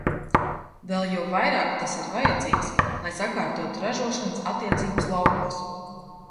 Vēl jo vairāk tas ir vajadzīgs, lai sakārtotu ražošanas attiecības laukos.